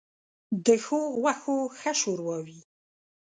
ـ د ښو غوښو ښه ښوروا وي.